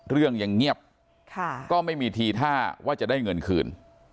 เรื่องยังเงียบก็ไม่มีทีท่าว่าจะได้เงินคืน